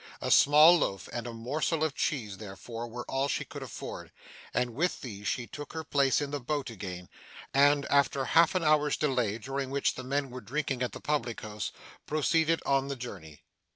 A small loaf and a morsel of cheese, therefore, were all she could afford, and with these she took her place in the boat again, and, after half an hour's delay during which the men were drinking at the public house, proceeded on the journey.